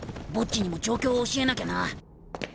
ボッジにも状況を教えなきゃな。